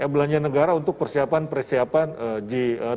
belanja negara untuk persiapan persiapan g dua puluh